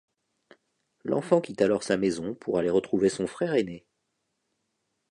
L'enfant quitte alors sa maison pour aller retrouver son frère aîné.